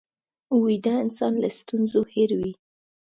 ویده انسان له ستونزو هېر وي